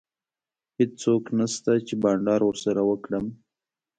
هیڅوک نشته چي بانډار ورسره وکړم.